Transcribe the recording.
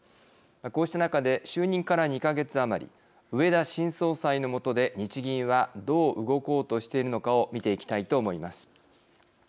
こうした中で就任から２か月余り植田新総裁の下で日銀はどう動こうとしているのかを見ていきたいと思います。